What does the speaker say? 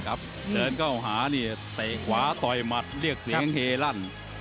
เดินเข้าหานี่เตะขวาต่อยหมัดเรียกเสียงเฮลั่น